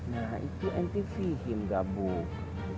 nah itu anti fihim gabung